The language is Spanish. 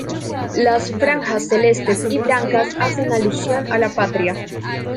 Las franjas celestes y blanca hacen alusión a la patria.